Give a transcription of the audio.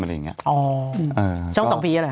ช่องสองพีค์รึยังค่ะ